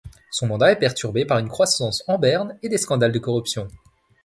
Son mandat est perturbé par une croissance en berne et des scandales de corruption.